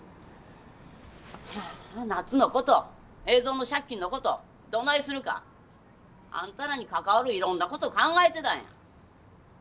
ナツの事栄三の借金の事どないするかあんたらに関わるいろんな事考えてたんや。